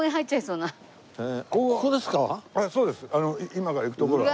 今から行く所は。